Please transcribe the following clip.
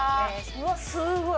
うわっすごい！